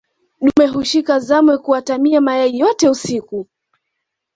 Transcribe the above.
dume hushika zamu ya kuatamia mayai yote usiku